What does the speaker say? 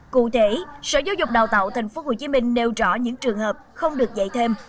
cụ thể sở giáo dục đào tạo tp hcm nêu rõ những trường hợp không được dạy thêm